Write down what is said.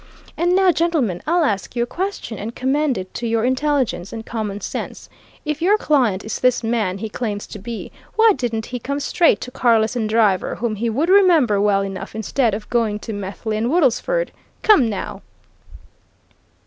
And now, gentlemen, I'll ask you a question and commend it to your intelligence and common sense: if your client is this man he claims to be, why didn't he come straight to Carless and Driver, whom he would remember well enough, instead of going to Methley and Woodlesford? Come, now?"